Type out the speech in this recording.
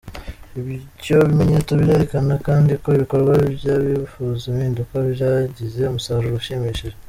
Ibyo bimenyetso birerekana kandi ko ibikorwa by’abifuza impinduka byagize umusaruro ushimishije.